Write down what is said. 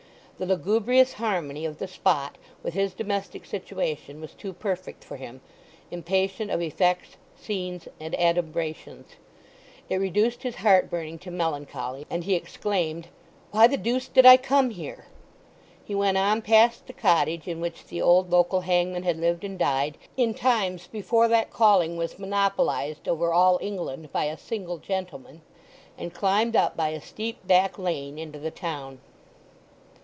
The lugubrious harmony of the spot with his domestic situation was too perfect for him, impatient of effects, scenes, and adumbrations. It reduced his heartburning to melancholy, and he exclaimed, "Why the deuce did I come here!" He went on past the cottage in which the old local hangman had lived and died, in times before that calling was monopolized over all England by a single gentleman; and climbed up by a steep back lane into the town.